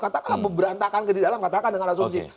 katakanlah berantakan di dalam katakan dengan rasul ji